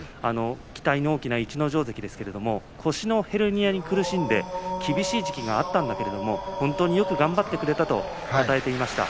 期待の大きな逸ノ城関ですけれど腰のヘルニアに苦しんで厳しい時期があったんだけれども本当によく頑張ってくれたとたたえていました。